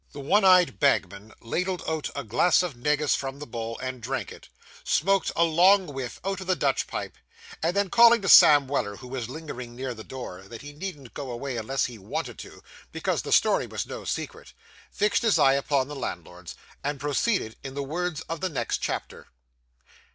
The one eyed bagman ladled out a glass of negus from the bowl, and drank it; smoked a long whiff out of the Dutch pipe; and then, calling to Sam Weller who was lingering near the door, that he needn't go away unless he wanted to, because the story was no secret, fixed his eye upon the landlord's, and proceeded, in the words of the next chapter.